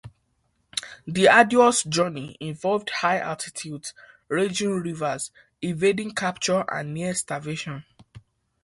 The arduous journey involved high altitudes, raging rivers, evading capture and near starvation.